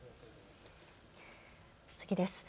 次です。